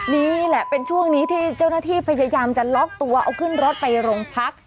นี่แหละเป็นช่วงนี้ที่เจ้าหน้าที่พยายามจะล็อกตัวเอาขึ้นรถไปโรงพัก